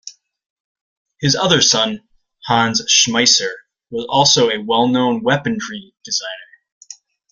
His other son, Hans Schmeisser, was also a well-known weaponry designer.